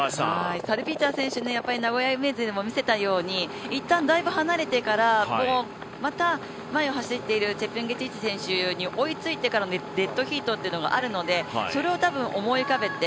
サルピーター選手名古屋ウィメンズでも見せたようにいったんだいぶ離れてからまた、前を走っているチェプンゲティッチ選手に追いついてからのデッドヒートっていうのがあるのでそれを思い浮かべて